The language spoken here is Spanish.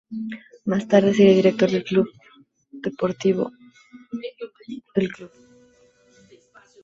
Más tarde, sería director deportivo del club.